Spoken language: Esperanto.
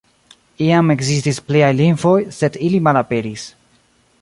Iam ekzistis pliaj lingvoj, sed ili malaperis.